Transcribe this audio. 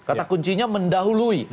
kata kuncinya mendahului